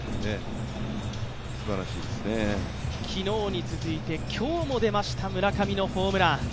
昨日に続いて今日も出ました、村上のホームラン。